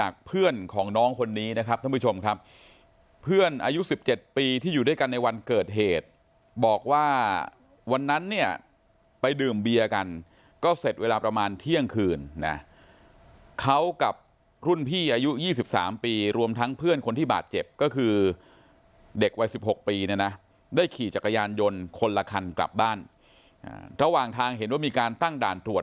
เพื่อนของน้องคนนี้นะครับท่านผู้ชมครับเพื่อนอายุ๑๗ปีที่อยู่ด้วยกันในวันเกิดเหตุบอกว่าวันนั้นเนี่ยไปดื่มเบียร์กันก็เสร็จเวลาประมาณเที่ยงคืนนะเขากับรุ่นพี่อายุ๒๓ปีรวมทั้งเพื่อนคนที่บาดเจ็บก็คือเด็กวัย๑๖ปีเนี่ยนะได้ขี่จักรยานยนต์คนละคันกลับบ้านระหว่างทางเห็นว่ามีการตั้งด่านตรวจ